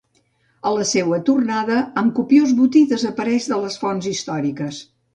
A la seua tornada, amb copiós botí, desapareix de les fonts històriques.